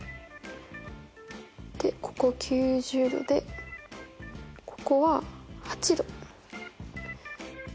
でここ９０°でここは８°。